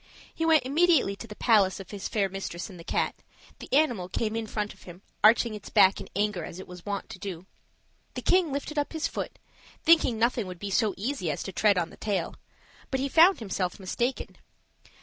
He went immediately to the palace of his fair mistress and the cat; the animal came in front of him, arching its back in anger as it was wont to do. The king lifted up his foot, thinking nothing would be so easy as to tread on the tail, but he found himself mistaken.